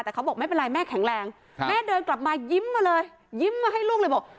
แต่เขาบอกไม่เป็นไรแม่แข็งแรงแม่เดินกลับมายิ้มมาเลยยิ้มมาให้ลูกเลยบอก